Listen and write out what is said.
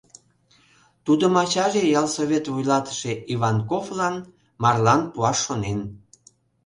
Тудым ачаже ялсовет вуйлатыше Иванковлан марлан пуаш шонен.